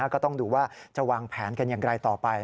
ก็ต้องดูว่าจะวางแผนกันอย่างไรต่อไป